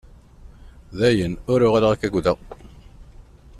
Dayen, ur uɣaleɣ ad k-agdeɣ.